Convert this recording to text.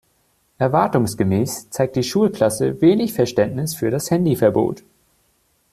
Erwartungsgemäß zeigt die Schulklasse wenig Verständnis für das Handyverbot.